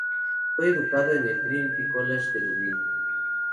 Fue educado en el Trinity College de Dublín.